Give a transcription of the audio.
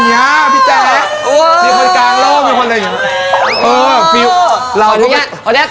คำถามสุดท้ายด้วยมั้ยแจ๊ค